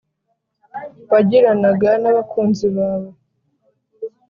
wagiranaga n’abakunzi bawe